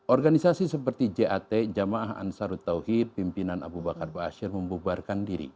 organisasi seperti jat jemaah ansarul tauhid pimpinan abu bakar baasyir membubarkan diri